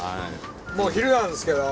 もう昼なんですけど。